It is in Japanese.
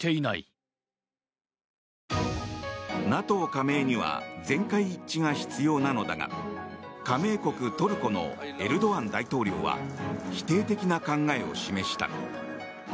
ＮＡＴＯ加盟には全会一致が必要なのだが加盟国トルコのエルドアン大統領は否定的な考えを示した。